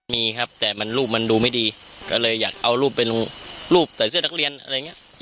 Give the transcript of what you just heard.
มีครับแต่มันรูปมันดูไม่ดีก็เลยอยากเอารูปเป็นรูปใส่เสื้อนักเรียนอะไรอย่างนี้